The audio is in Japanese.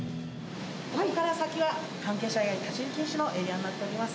ここから先は、関係者以外立ち入り禁止のエリアになっています。